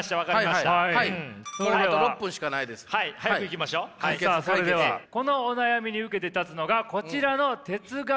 さあそれではこのお悩みに受けて立つのがこちらの哲学者軍団です。